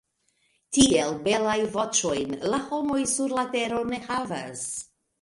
Tiel belajn voĉojn la homoj sur la tero ne havas.